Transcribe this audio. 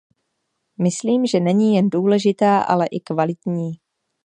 Myslím, že není jen důležitá, ale i kvalitní.